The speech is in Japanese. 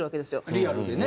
リアルでね。